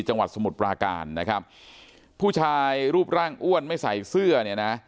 สมุทรปราการนะครับผู้ชายรูปร่างอ้วนไม่ใส่เสื้อเนี่ยนะ